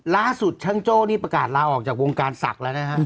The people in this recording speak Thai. ล่าสุดช่างโจ้นี่ประกาศลาออกจากวงการศักดิ์แล้วนะฮะ